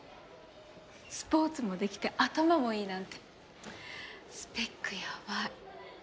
スポーツもできて頭もいいなんてスペックやばい。